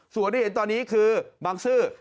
ส่วนที่เห็นตอนนี้คือบางซื่อ